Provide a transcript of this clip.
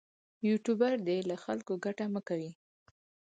یوټوبر دې له خلکو ګټه مه کوي.